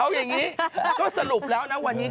เอาแบบนี้ก็สรุปแล้ววันนี้